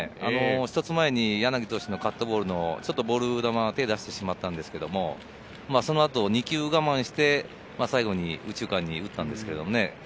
一つ前に柳投手のカットボールのボール球に手を出してしまったんですけど、そのあと２球我慢して、最後に右中間に打ったんですけどね。